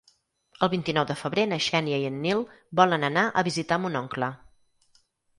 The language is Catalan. El vint-i-nou de febrer na Xènia i en Nil volen anar a visitar mon oncle.